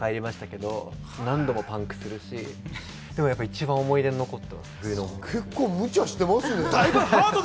何度もパンクするし、一番思い出に残っています。